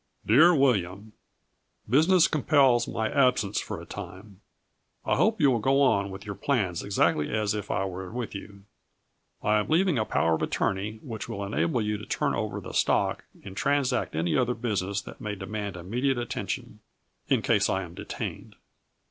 Dear William: Business compels my absence for a time. I hope you will go on with your plans exactly as if I were with you. I am leaving a power of attorney which will enable you to turn over the stock and transact any other business that may demand immediate attention, in case I am detained.